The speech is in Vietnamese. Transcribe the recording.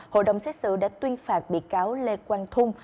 hội đồng xét xử đã tuyên phạt bị cáo lê quang thung